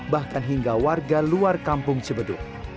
bahkan hingga warga luar kampung cibeduk